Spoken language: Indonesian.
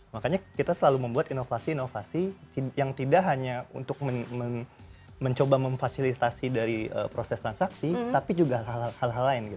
makanya kita selalu membuat inovasi inovasi yang tidak hanya untuk mencoba memfasilitasi dari proses transaksi tapi juga hal hal lain